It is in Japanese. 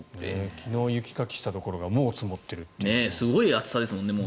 昨日雪かきしたところがすごい厚さですよね。